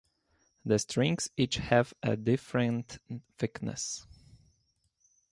The strings each have a different thickness.